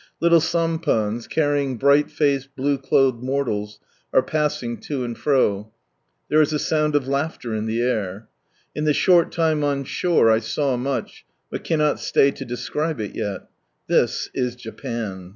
Little sampans carrying bright faced, blue clolhed mortals, are passing to and fro. There is a sound of laughter in the air. In the short time on shore I saw much, but cannot stay to describe it yet. This is Japan.